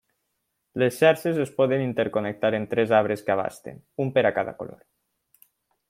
Les xarxes es poden interconnectar amb tres arbres que abasten, un per a cada color.